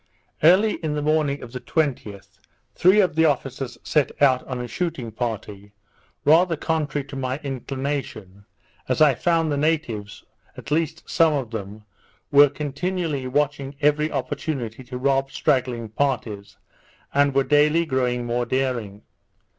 Early in the morning of the 20th, three of the officers set out on a shooting party, rather contrary to my inclination; as I found the natives, at least some of them, were continually watching every opportunity to rob straggling parties, and were daily growing more daring.